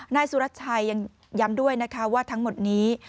นายสุรชัยยังย้ำด้วยนะคะว่าทั้งหมดนี้